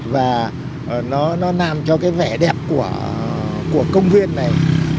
và nó làm cho cái vẻ đẹp của công viên này